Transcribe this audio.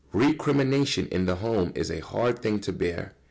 ] Recrimination in the home is a hard thing to bear.